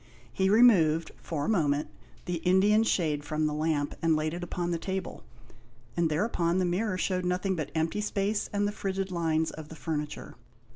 He removed, for a moment, the Indian shade from the lamp, and laid it upon the table, and thereupon the mirror showed nothing but empty space and the frigid lines of the furniture.